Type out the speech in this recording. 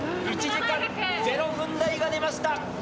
１時間０分台が出ました！